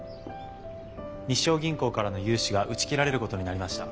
日章銀行からの融資が打ち切られることになりました。